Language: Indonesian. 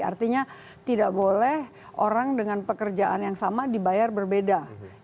artinya tidak boleh orang dengan pekerjaan yang sama dibayar berbeda